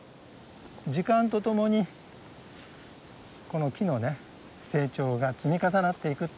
時間と共にこの木のね成長が積み重なっていくっていう感じ。